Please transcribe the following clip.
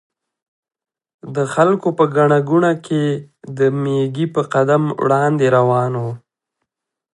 د خلکو په ګڼه ګوڼه کې د مېږي په قدم وړاندې روان و.